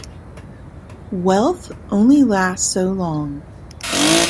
Wealth only lasts so long.